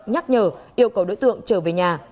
nhắc nhở yêu cầu đối tượng trở về nhà